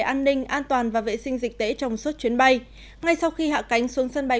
an ninh an toàn và vệ sinh dịch tễ trong suốt chuyến bay ngay sau khi hạ cánh xuống sân bay